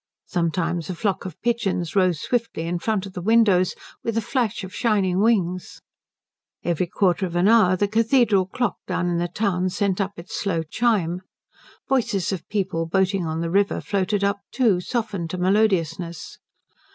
Sometimes a flock of pigeons rose swiftly in front of the windows, with a flash of shining wings. Every quarter of an hour the cathedral clock down in the town sent up its slow chime. Voices of people boating on the river floated up too, softened to melodiousness.